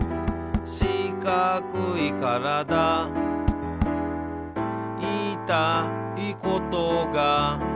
「しかくいからだ」「いいたいことが」